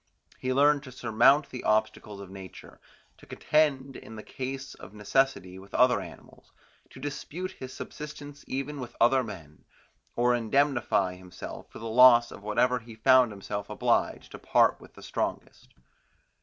He learned to surmount the obstacles of nature, to contend in case of necessity with other animals, to dispute his subsistence even with other men, or indemnify himself for the loss of whatever he found himself obliged to part with to the strongest.